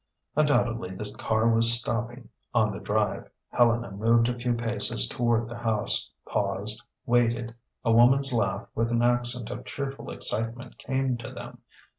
Undoubtedly the car was stopping on the drive. Helena moved a few paces toward the house, paused, waited. A woman's laugh with an accent of cheerful excitement came to them.